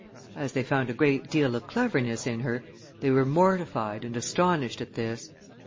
As they found a great deal of cleverness in her, they were mortified and astonished at this.